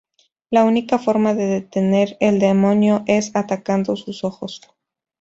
La única forma de detener al demonio es atacando sus ojos.